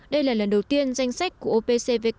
đây là lần đầu tiên danh sách của opcvk